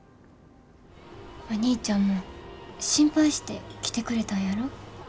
お兄ちゃんも心配して来てくれたんやろ？